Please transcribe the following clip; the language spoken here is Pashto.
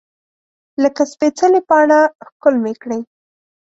لکه سپیڅلې پاڼه ښکل مې کړې